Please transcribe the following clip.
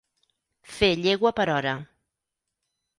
Fer llegua per hora.